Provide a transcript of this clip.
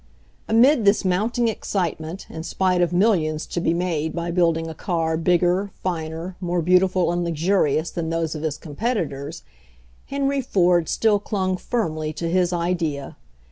Amid this mounting excitement, in spite of millions to be made by building a car bigger, finer, more beautiful and luxurious than those of his competitors, Henry Ford still clung firmly to his Idea.